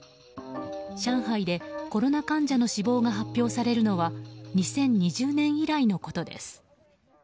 上海でコロナ患者の死亡が発表されるのは２０２０年以来のことです。